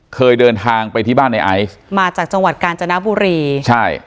เคยเดินทางไปที่บ้านในไอซ์มาจากจังหวัดกาญจนบุรีใช่